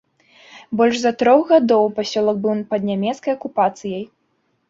Больш за трох гадоў пасёлак быў пад нямецкай акупацыяй.